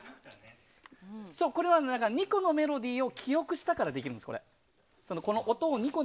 これは２個のメロディーを記憶すればいいんです。